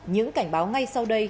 những cảnh báo ngay sau đây